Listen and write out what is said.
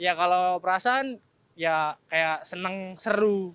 ya kalau perasaan ya kayak seneng seru